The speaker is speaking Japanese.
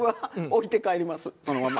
そのまま。